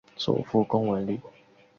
祖父龚文礼。